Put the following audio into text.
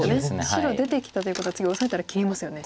白出てきたということは次オサえたら切りますよね。